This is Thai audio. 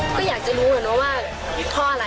ก็อยากจะรู้กันว่าพออะไรพออะไรที่ทำกับแม่อายุนี้